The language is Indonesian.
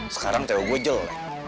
sekarang teo gue jelek